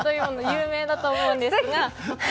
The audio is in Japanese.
有名だと思うんですが。